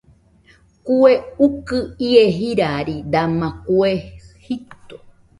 Kue ukɨ ie jirari dama kue jito.